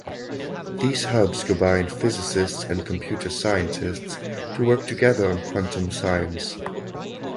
These hubs combine physicists and computer scientists to work together on quantum science.